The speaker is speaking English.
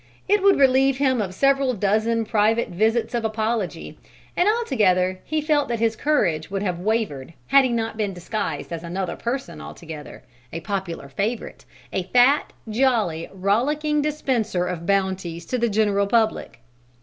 It would relieve him of several dozen private visits of apology, and altogether he felt that his courage would have wavered had he not been disguised as another person altogether: a popular favorite; a fat jolly, rollicking dispenser of bounties to the general public.